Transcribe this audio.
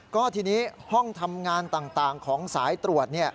ก็ทีนี้ห้องทำงานต่างของสายตรวจ